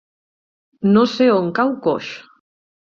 No sé on cau Coix.